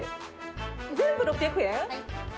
全部６００円？